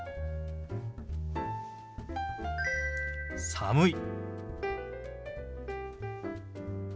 「寒い」。